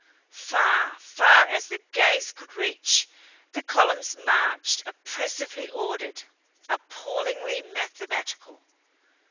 Far, far as the gaze could reach, the columns marched, oppressively ordered, appallingly mathematical.